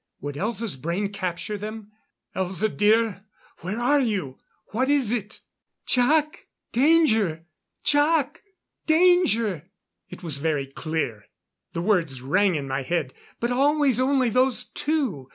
Would Elza's brain capture them? "Elza dear! Where are you? What is it?" "Jac! Danger! Jac! Danger!" It was very clear. The words rang in my head. But always only those two.